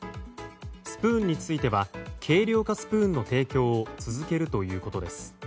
スプーンについては軽量化スプーンの提供を続けるということです。